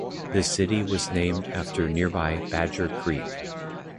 The city was named after nearby Badger Creek.